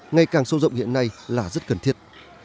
ngày càng sâu rộng hiện nay là rất cần thiết